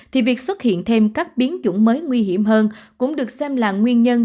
thì việc xuất hiện thêm các biến chủng mới nguy hiểm hơn cũng được xem là nguyên nhân